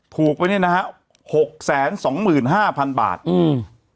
ถูกไปเนี้ยนะฮะหกแสนสองหมื่นห้าพันบาทอืม